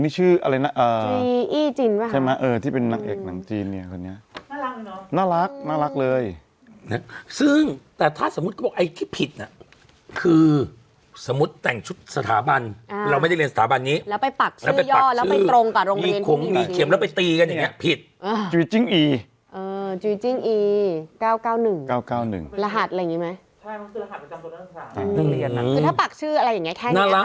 มีนักเอกมีนักเอกหนังจีนอืมนะใช่เหมือนเราแต่งชุดนักเรียนญี่ปุ่นอ่ะ